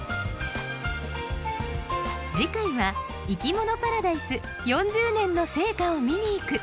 次回は「いきものパラダイス４０年の成果を見に行く」。